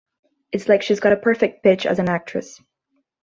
It's like she's got a perfect pitch as an actress.